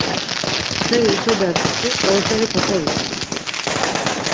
Seri içodert̆uşi qoroperi k̆ok̆ovitzk̆it.